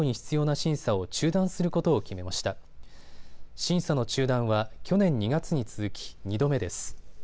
審査の中断は去年２月に続き２度目です。